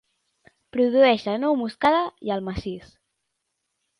Produeix la nou moscada i el macís.